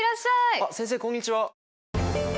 あっ先生こんにちは！